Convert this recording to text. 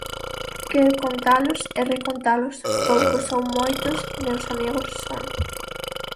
Quero contalos e recontalos... poucos ou moitos, meus amigos son.